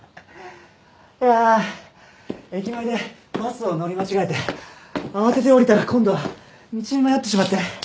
いやあ駅前でバスを乗り間違えて慌てて降りたら今度は道に迷ってしまって。